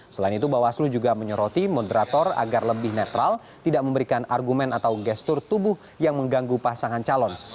selain itu bawaslu juga menyoroti moderator agar lebih netral tidak memberikan argumen atau gestur tubuh yang mengganggu pasangan calon